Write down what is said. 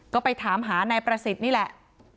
ก็ไปถามหานายประสิทธิ์นี่แหละ